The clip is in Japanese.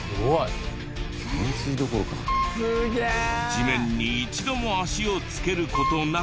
地面に一度も足をつける事なく。